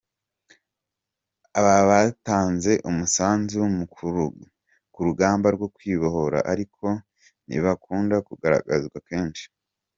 Aba batanze umusanzu mu rugamba rwo kwibohora ariko ntibakunda kugaragazwa kenshi.